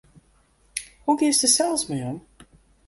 Hoe giest dêr sels mei om?